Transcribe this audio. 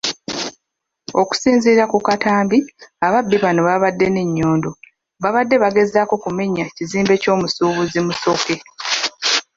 Okusinziira ku Katamba, ababbi bano abaabadde ne nnyondo baabadde bagezaako kumenya kizimbe ky'omusuubuzi Musoke.